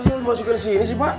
masih masukin disini pak